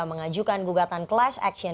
mengajukan gugatan clash action